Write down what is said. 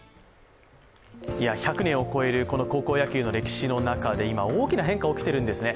１００年を超える高校野球の歴史の中で今、大きな変化が起きているんですね。